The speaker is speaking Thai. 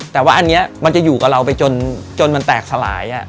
แต่ว่าอันนี้มันจะอยู่กับเราไปจนมันแตกสลาย